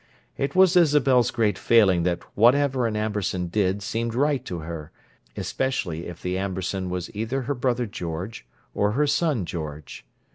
It was Isabel's great failing that whatever an Amberson did seemed right to her, especially if the Amberson was either her brother George, or her son George.